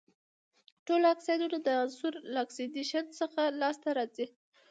ټول اکسایدونه د عناصرو له اکسیدیشن څخه لاس ته راځي.